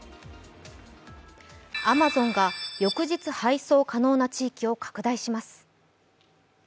アマゾンが翌日配送可能な地域を拡大します。